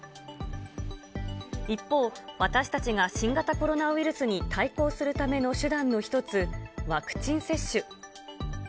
一方、私たちが新型コロナウイルスに対抗するための手段の一つ、ワクチン接種。